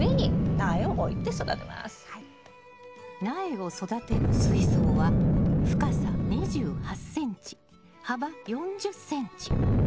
苗を育てる水槽は深さ２８ｃｍ幅４０ｃｍ。